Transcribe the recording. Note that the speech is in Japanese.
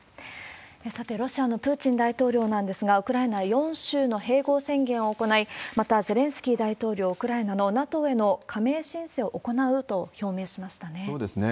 さて、ロシアのプーチン大統領なんですが、ウクライナ４州の併合宣言を行い、またゼレンスキー大統領、ウクライナのＮＡＴＯへの加盟申請を行うと表明しましたね。